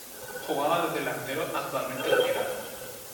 Jugaba de delantero actualmente retirado.